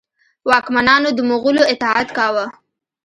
واکمنانو د مغولو اطاعت کاوه.